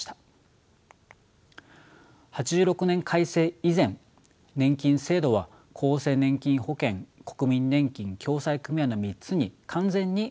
８６年改正以前年金制度は厚生年金保険国民年金共済組合の３つに完全に分立していました。